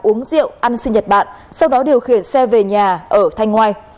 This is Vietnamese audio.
uống rượu ăn sinh nhật bạn sau đó điều khiển xe về nhà ở thanh ngoài